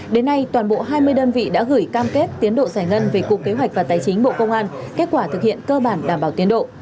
đến nay toàn bộ hai mươi đơn vị đã gửi cam kết tiến độ giải ngân về cục kế hoạch và tài chính bộ công an kết quả thực hiện cơ bản đảm bảo tiến độ